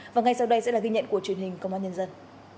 và ngay sau đây sẽ là ghi nhận của truyền hình công an nhân dân